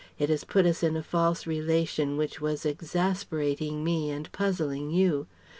It has put us in a false relation which was exasperating me and puzzling you.